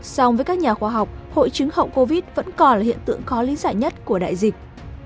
song với các nhà khoa học hội chứng hậu covid vẫn còn là hiện tượng khó lý giải nhất của đại dịch